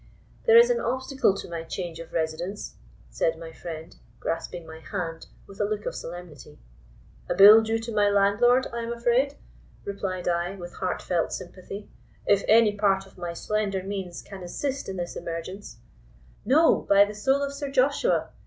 "There is an obstacle to my change of residence," said my friend, grasping my hand with a look of solemnity. "A bill due to my landlord, I am afraid?" replied I, with heartfelt sympathy; "if any part of my slender means can assist in this emergence——" "No, by the soul of Sir Joshua!"